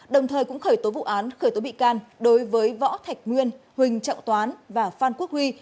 đồng thời cũng khởi tố vụ án khởi tố bị can đối với võ thạch nguyên huỳnh trọng toán và phan quốc huy